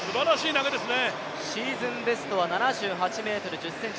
シーズンベストは７８ｍ１０ｃｍ。